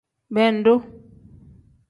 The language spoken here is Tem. Bendu.